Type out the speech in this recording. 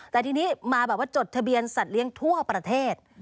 แต่ทีนี้มาแบบว่าจดทะเบียนสัตว์เลี้ยงทั่วประเทศ